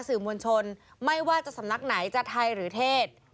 สื่อมวลชนไม่ว่าจะสำนักไหนจะไทยหรือเทศ